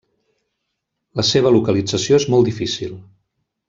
La seva localització és molt difícil.